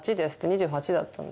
２８だったんです。